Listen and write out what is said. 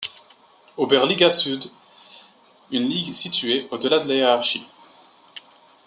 Oberliga Süd, une ligue située au de la hiérarchie.